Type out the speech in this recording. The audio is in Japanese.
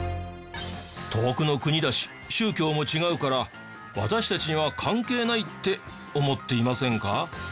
遠くの国だし宗教も違うから私たちには関係ないって思っていませんか？